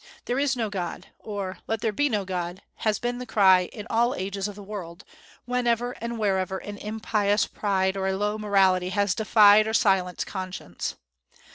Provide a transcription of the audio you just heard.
"There is no God!" or "Let there be no God!" has been the cry in all ages of the world, whenever and wherever an impious pride or a low morality has defied or silenced conscience.